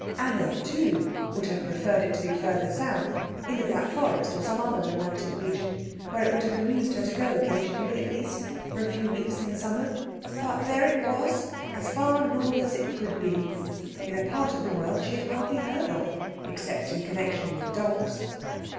Anna, too, would have preferred it to be farther south, in the Black Forest, or some other romantic region, where it would have amused her to go occasionally, at least, for a few weeks in the summer. But there it was, as far north as it could be, in a part of the world she had hardly heard of, except in connection with dogs.